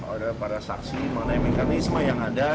ada para saksi mengenai mekanisme yang ada